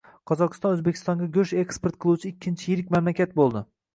Qozog‘iston O‘zbekistonga go‘sht eksport qiluvchi ikkinchi yirik mamlakat bo‘lding